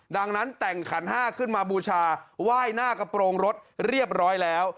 ดังนั้นแต่งขันห้าขึ้นมาบูชาไหว้หน้ากระโปรงรถเรียบร้อยแล้ว